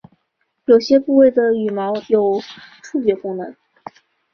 有些部位的羽毛有触觉功能。